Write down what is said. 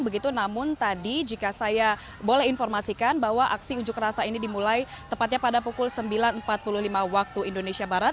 begitu namun tadi jika saya boleh informasikan bahwa aksi unjuk rasa ini dimulai tepatnya pada pukul sembilan empat puluh lima waktu indonesia barat